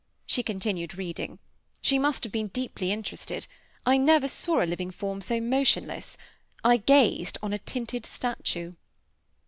She continued reading. She must have been deeply interested; I never saw a living form so motionless I gazed on a tinted statue.